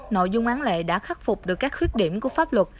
nội dung án lệ đã khắc phục được các khuyết điểm của pháp luật